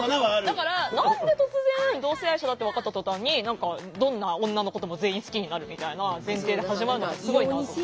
だから何で突然同性愛者だって分かった途端にどんな女のことも全員好きになるみたいな前提で始まるのはすごいなと思う。